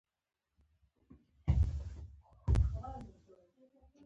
اگه خبرې خو خوږې که.